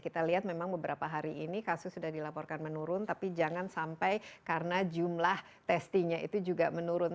kita lihat memang beberapa hari ini kasus sudah dilaporkan menurun tapi jangan sampai karena jumlah testingnya itu juga menurun